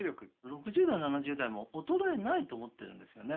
６０代７０代も衰えないと思ってるんですよね